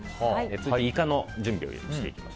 続いてイカの準備をしていきます。